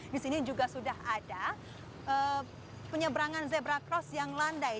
di sini juga sudah ada penyeberangan zebra cross yang landai